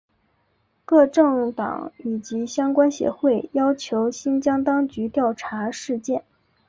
各政党以及相关协会要求新疆当局调查事件。